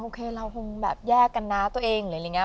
โอเคเราคงแยกกันนะตัวเองอะไรอย่างนี้